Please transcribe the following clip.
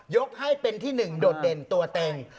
ยกให้เป็นที่หนึ่งโดดเด่นตัวเต็ง